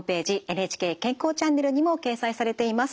「ＮＨＫ健康チャンネル」にも掲載されています。